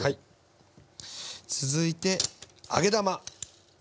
続いて揚げ玉。